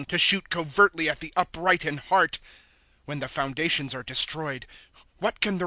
To shoot covertly at the upright in heart. ^ When the foundations are destroyed, What can the righteous do?